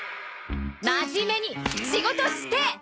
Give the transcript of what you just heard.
真面目に仕事して！